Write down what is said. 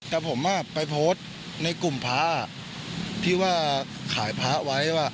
แต่ผมอ่ะไปโพสต์ในกลุ่มพาที่ว่าขายพาไว้อ่ะ